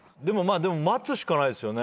でも待つしかないですよね。